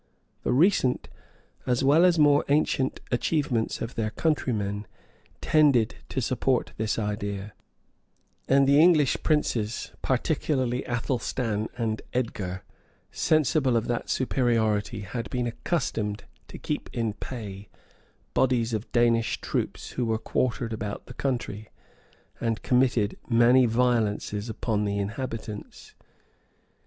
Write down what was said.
The recent, as well as more ancient achievements of their countrymen tended to support this idea; and the English princes particularly Athelstan and Edgar, sensible of that superiority had been accustomed to keep in pay bodies of Danish troops, who were quartered about the country, and committed many violences upon the inhabitants.